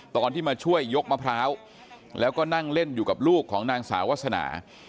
ตอนที่มาช่วยยกมะพร้าวแล้วก็นั่งเล่นอยู่กับลูกของนางสาววาสนา